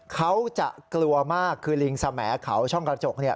เขาจะกลัวมากคือลิงสแหมดเขาช่องกระจกเนี่ย